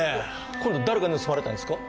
今度誰が盗まれたんですか？